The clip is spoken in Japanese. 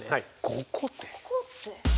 ５個って。